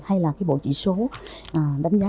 hay là cái bộ chỉ số đánh giá